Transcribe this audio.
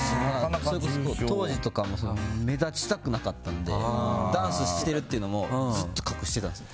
それこそ当時とかも目立ちたくなかったんでダンスしているっていうのもずっと隠してたんすよ。